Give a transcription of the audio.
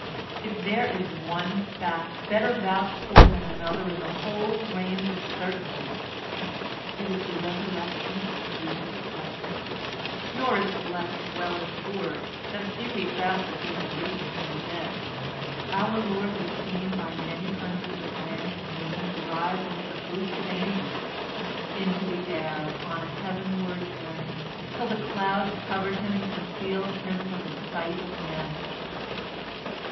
If there is one fact better vouched for than another in the whole range of certainties it is the Resurrection of Jesus Christ; nor is it less well assured that a few weeks after he had risen from the dead, our Lord was seen by many hundreds of men and women to rise amid a host of angels into the air upon a heavenward journey till the clouds covered him and concealed him from the sight of men.